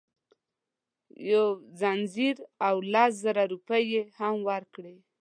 یو ځنځیر او لس زره روپۍ یې هم ورکړې.